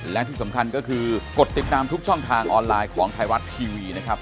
และที่สำคัญก็คือกดติดตามทุกช่องทางออนไลน์ของไทยรัฐทีวีนะครับ